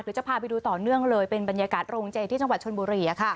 จะพาไปดูต่อเนื่องเลยเป็นบรรยากาศโรงเจที่จังหวัดชนบุรี